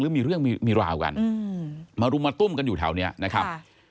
มีเรื่องมีราวกันมารุมมาตุ้มกันอยู่แถวนี้นะครับ